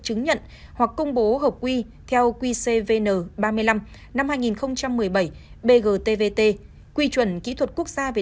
chứng nhận hoặc công bố hợp quy theo qcvn ba mươi năm năm hai nghìn một mươi bảy bgtvt quy chuẩn kỹ thuật quốc gia về